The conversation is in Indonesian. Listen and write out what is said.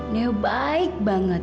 neo baik banget